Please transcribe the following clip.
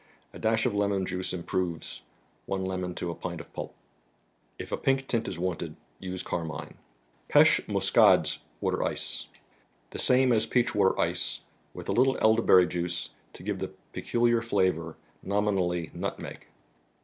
A dash of lemon juice improves (one lemon to a pint of pulp). If a pink tint is wanted, use Carmine. $ectye0^ui3cat>css abater 3Jce. The same as " Peach Water Ice," with a little elderberry juice to give the peculiar flavor, nominally " nutmeg.